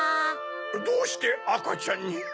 どうしてあかちゃんに？